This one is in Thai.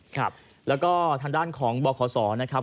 ครับแล้วก็ทางด้านของบขศนะครับ